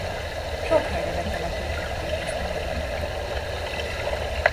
Sok helyre betelepítették ezt a növényfajt.